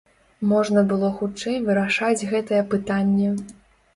Можна было хутчэй вырашаць гэтае пытанне.